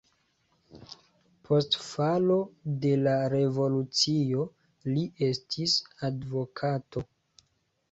Post falo de la revolucio li estis advokato.